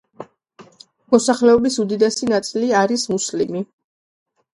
მოსახლეობის უდიდესი ნაწილი არის მუსლიმი.